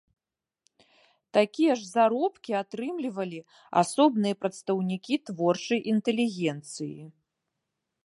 Такія ж заробкі атрымлівалі асобныя прадстаўнікі творчай інтэлігенцыі.